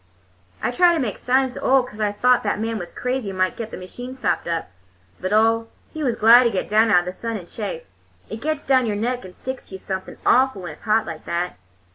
"I tried to make signs to Ole, 'cause I thought that man was crazy and might get the machine stopped up. But Ole, he was glad to get down out of the sun and chaff—it gets down your neck and sticks to you something awful when it's hot like that.